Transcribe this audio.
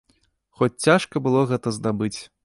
Хоць цяжка было гэта здабыць.